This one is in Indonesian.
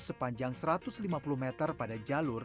sepanjang satu ratus lima puluh meter pada jalur